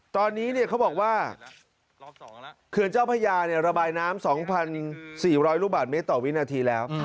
ตอนนี้เขาบอกว่าเขื่อนเจ้าพระยาระบายน้ำ๒๔๐๐ลูกบาทเมตรต่อวินาทีแล้ว